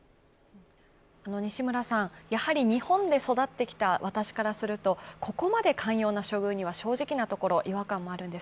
やはり日本で育ってきた私からするとここまで寛容な処遇には正直なところ、違和感もあるんです。